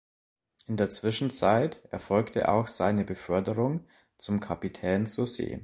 In der Zwischenzeit erfolgte auch seine Beförderung zum Kapitän zur See.